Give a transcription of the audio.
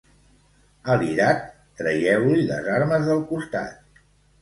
A l'irat, traieu-li les armes del costat.